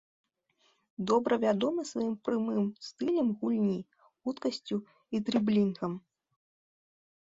Добра вядомы сваім прамым стылем гульні, хуткасцю і дрыблінгам.